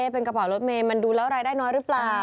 เป็นกระเป๋ารถเมย์มันดูแล้วรายได้น้อยหรือเปล่า